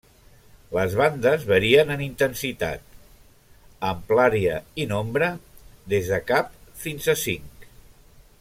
Les bandes varien en intensitat, amplària i nombre, des de cap fins a cinc.